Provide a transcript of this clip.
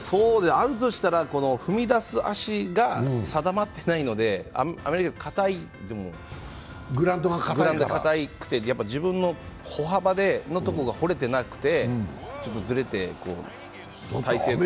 あるとしたら、踏み出す足が定まってないので、アメリカ、グラウンドがかたくて、自分の歩幅のところが掘れていなくて、ちょっと体勢がずれて。